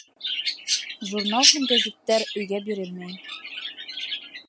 Журнал һәм гәзиттәр өйгә бирелмәй